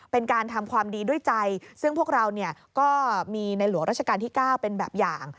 เป็นการทำความดีด้วยใจซึ่งพวกเราก็มีในหลวงราชการที่๙เป็นแบบอย่าง